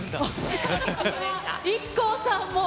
ＩＫＫＯさんも。